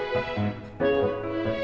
udah mau ke rumah